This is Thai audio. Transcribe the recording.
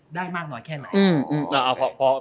ได้มากน้อยแค่ไหน